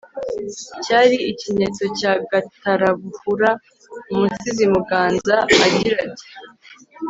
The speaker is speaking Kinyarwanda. cyari ikinyeto cya gatarabuhura. umusizi muganza agira ati